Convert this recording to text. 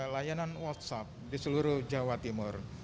satu ratus empat belas layanan whatsapp di seluruh jawa timur